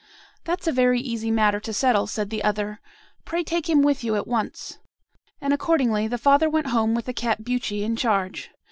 "'That's a very easy matter to settle,' said the other: 'pray take him with you at once;' and accordingly the father went home with the cat Buchi in charge.